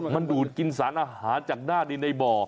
มันดูดกินสารอาหารจากหน้าดินในบ่อ